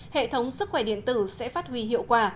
hệ thống sức khỏe điện tử sẽ phát huy hiệu quả